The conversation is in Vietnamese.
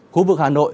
khu vực hà nội